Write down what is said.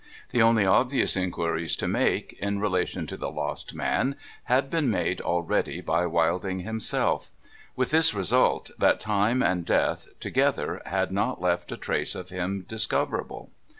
The only obvious inquiries to make, in relation to the lost man, had been made already by Wilding himself; with this result, that time and death together had not left a trace of him discoverable.